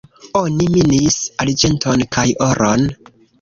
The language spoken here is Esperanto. Oni minis arĝenton kaj oron.